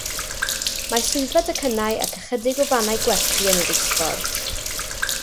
Mae swyddfa docynnau ac ychydig o fannau gwerthu yn yr isffordd.